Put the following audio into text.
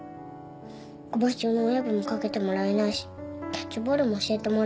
ごま塩の親分も掛けてもらえないしキャッチボールも教えてもらえない。